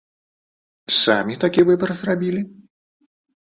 Самі такі выбар зрабілі?